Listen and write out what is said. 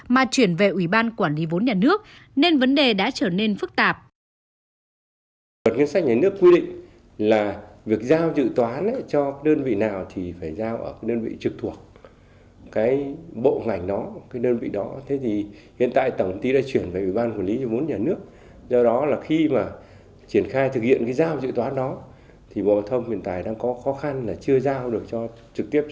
mà chuyển về ủy ban quản lý vốn nhà nước nên vấn đề đã trở nên phức tạp